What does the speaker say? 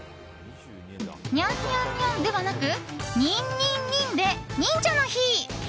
ニャン、ニャン、ニャンではなくニン、ニン、ニンで忍者の日！